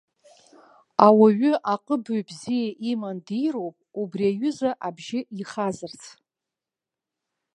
Ауаҩы аҟыбаҩ бзиа иман дироуп, убри аҩыза абжьы ихазарц.